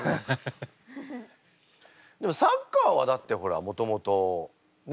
でもサッカーはだってほらもともとね